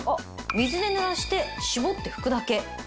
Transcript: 水で濡らして絞って拭くだけ。